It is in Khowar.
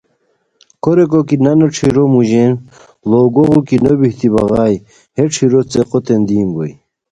کوریکو کی نانو ݯھیرو مو ژین ڑو گوغو کی نو بیہتی بغائے ہے ݯھیرو څیقو تین دین بوئے